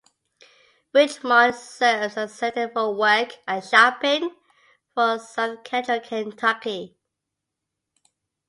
Richmond serves as the center for work and shopping for south-central Kentucky.